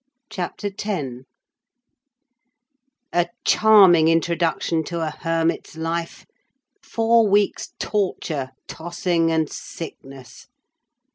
CHAPTER X A charming introduction to a hermit's life! Four weeks' torture, tossing, and sickness!